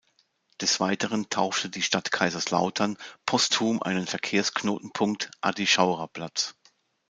Des Weiteren taufte die Stadt Kaiserslautern postum einen Verkehrsknotenpunkt „Addi-Schaurer-Platz“.